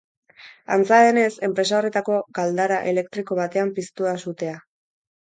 Antza denez, enpresa horretako galdara elektriko batean piztu da sutea.